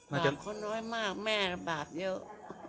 บาปคนน้อยมากแม่ก็บาปเยอะ